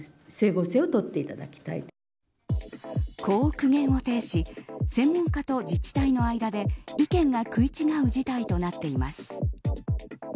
こう苦言を呈し専門家と自治体の間で意見が食い違う事態となっています。